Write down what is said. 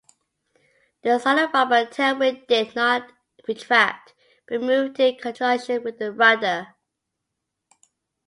The solid rubber tailwheel did not retract, but moved in conjunction with the rudder.